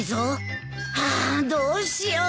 ハアどうしよう。